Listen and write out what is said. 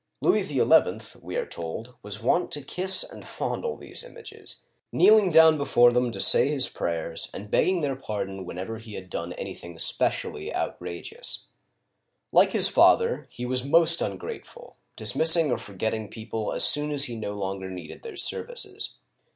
Louis XL, we are told, was wont to kiss and fondle these images, kneeling down before them to say his prayers, and begging their pardon whenever he had done anything specially out rageous. Louis XI. Digitized by Google LOUIS XI. (1461 1483) 203 Like his father, he was most ungrateful, dismissing or forgetting people as soon as he no longer needed their services.